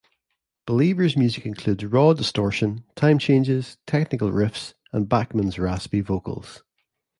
Believer's music includes raw distortion, time changes, technical riffs and Bachman's raspy vocals.